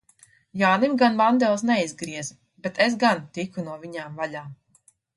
Jānim gan mandeles neizgrieza, bet es gan tiku no viņām vaļā.